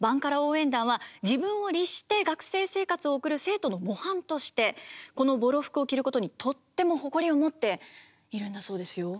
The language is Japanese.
バンカラ応援団は自分を律して学生生活を送る生徒の模範としてこのボロ服を着ることにとっても誇りを持っているんだそうですよ。